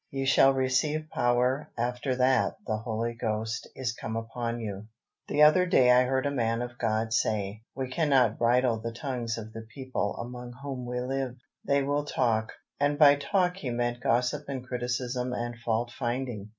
"Ye shall receive power after that the Holy Ghost is come upon you." The other day I heard a man of God say: "We cannot bridle the tongues of the people among whom we live: they will talk"; and by talk he meant gossip and criticism and fault finding.